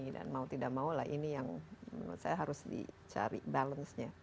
dan mau tidak mau lah ini yang menurut saya harus dicari balance nya